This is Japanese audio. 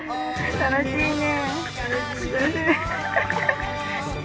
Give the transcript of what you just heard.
楽しいね。